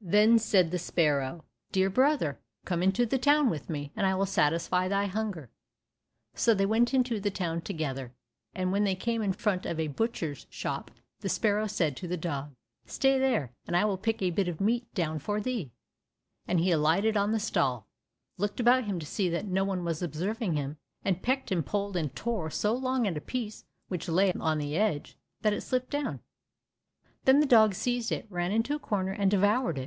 Then said the sparrow, "Dear brother, come into the town with me, and I will satisfy thy hunger." So they went into the town together, and when they came in front of a butcher's shop the sparrow said to the dog, "Stay there, and I will pick a bit of meat down for thee," and he alighted on the stall, looked about him to see that no one was observing him, and pecked and pulled and tore so long at a piece which lay on the edge, that it slipped down. Then the dog seized it, ran into a corner, and devoured it.